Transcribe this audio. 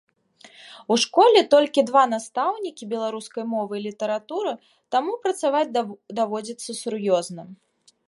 У школе толькі два настаўнікі беларускай мовы і літаратуры, таму працаваць даводзіцца сур'ёзна.